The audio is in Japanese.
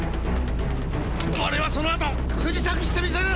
俺はその後不時着してみせる！！